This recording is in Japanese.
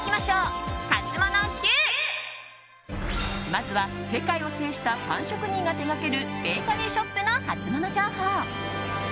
まずは世界を制したパン職人が手掛けるベーカリーショップのハツモノ情報。